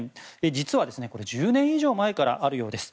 実は、１０年以上前からあるようです。